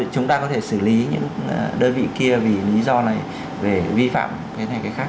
chúng ta có thể xử lý những đơn vị kia vì lý do này về vi phạm cái này cái khác